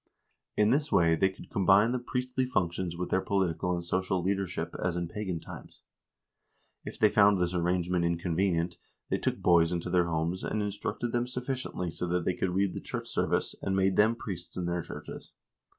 In this way they could combine the priestly functions with their political and social leadership, as in pagan times. If they found this arrangement inconvenient, they took boys into their homes, and instructed them sufficiently so that they could read the church service, and made them priests in their churches.